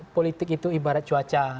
politik itu ibarat cuaca